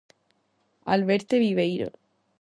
Alberte Viveiro.